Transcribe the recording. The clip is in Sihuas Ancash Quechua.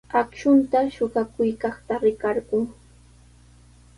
Akshunta suqakuykaqta rikarqun.